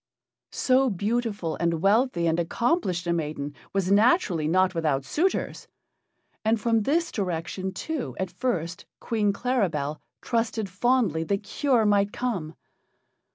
So beautiful and wealthy and accomplished a maiden was naturally not without suitors; and from this direction, too, at first, Queen Claribel trusted fondly that cure might come.